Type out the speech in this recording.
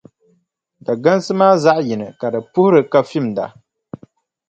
Dagansi maa zaɣʼ yini ka di puhiri ka fimda.